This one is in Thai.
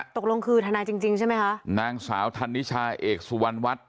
ตกลงคือทนายจริงจริงใช่ไหมคะนางสาวธันนิชาเอกสุวรรณวัฒน์